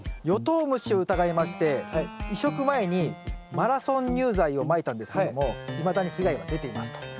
ヨトウムシを疑いまして移植前にマラソン乳剤をまいたんですけどもいまだに被害は出ていますと。